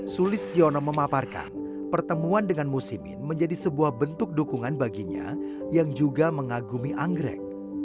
sulistiono memaparkan pertemuan dengan musimin menjadi sebuah bentuk dukungan baginya yang juga mengagumi anggrek